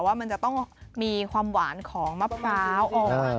ว่ามันจะต้องมีความหวานของมะพร้าวอ่อน